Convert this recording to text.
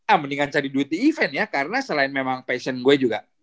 ah mendingan cari duit di event ya karena selain memang passion gue juga